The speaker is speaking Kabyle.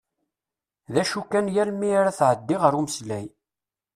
D acu kan yal mi ara tɛeddi ɣer umeslay.